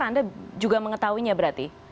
anda juga mengetahuinya berarti